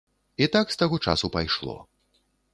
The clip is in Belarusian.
І так з таго часу пайшло.